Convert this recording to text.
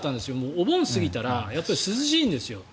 お盆を過ぎたら涼しいんですよ。